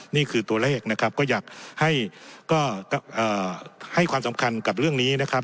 นี่คือตัวเลขนะครับก็อยากให้ก็ให้ความสำคัญกับเรื่องนี้นะครับ